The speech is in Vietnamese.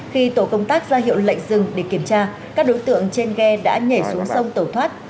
khi tổ công tác ra hiệu lệnh dừng để kiểm tra các đối tượng trên ghe đã nhảy xuống sông tẩu thoát